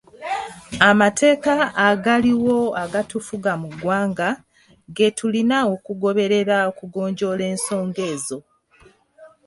Amateeka agaliwo agatufuga mu ggwanga ge tulina okugoberera okugonjoola ensonga ezo.